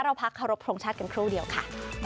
เราพักเคารพทรงชาติกันครู่เดียวค่ะ